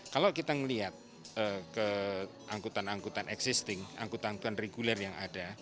kalau kita melihat ke angkutan angkutan existing angkutan angkutan reguler yang ada